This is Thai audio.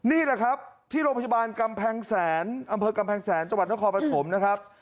นี่แหละครับที่โรงพยาบาลกำแพงแสนอำเภอกำแพงแสนจังหวัดนครปฐมนะครับ